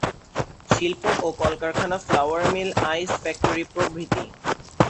শিল্প ও কলকারখানা ফ্লাওয়ার মিল, আইস ফ্যাক্টরি প্রভৃতি।